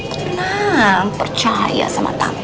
tenang percaya sama tante